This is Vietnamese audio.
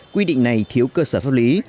quy định này thiếu cơ sở pháp lý